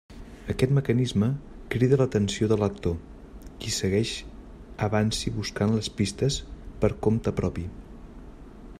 Aquest mecanisme crida l'atenció del lector, qui segueix avanci buscant les pistes per compte propi.